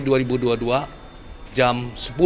sepuluh januari dua ribu dua puluh dua jam sepuluh